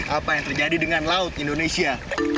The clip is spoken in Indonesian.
apa yang terjadi dengan laut indonesia